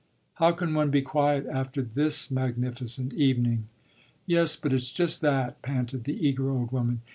"How can one be quiet after this magnificent evening?" "Yes, but it's just that!" panted the eager old woman.